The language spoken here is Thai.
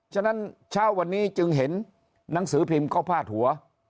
ฉะนั้นเช้าวันนี้จึงเห็นหนังสือพิมพ์เขาพาดหัว